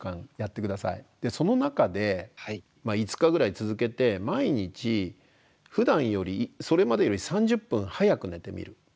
その中で５日ぐらい続けて毎日ふだんよりそれまでより３０分早く寝てみる。